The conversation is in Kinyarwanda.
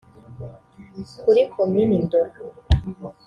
Kuri Komini Ndora